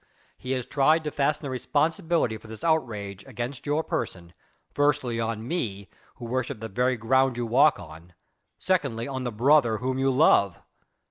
he has tried to fasten the responsibility for this outrage against your person, firstly on me who worship the very ground you walk on, secondly on the brother whom you love?"